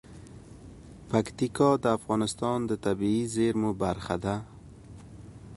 پکتیکا د افغانستان د طبیعي زیرمو برخه ده.